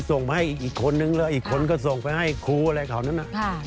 ส่งให้อีกคนนึงแล้วอีกคนก็ส่งไปให้ครูอะไรเขานั้น